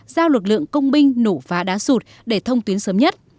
giao lực lượng công binh nổ phá đá sụt để thông tuyến sớm nhất